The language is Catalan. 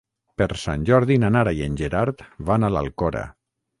Per Sant Jordi na Nara i en Gerard van a l'Alcora.